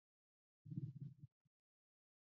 ایا ستاسو تګلاره روښانه ده؟